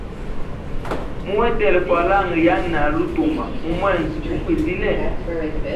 Muhetele falanga yanali utuma mu mwezi gu kwizile.